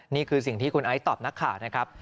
นี่คือสิ่งที่คุณไอซ์ตอบนักข่าวนะครับ